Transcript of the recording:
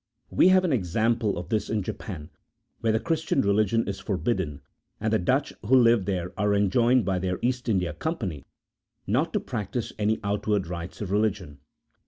We have an example of this in Japan, where the Christian religion is forbidden, and the Dutch who live there are enjoined by their East India Company not to practise any outward rites of religion.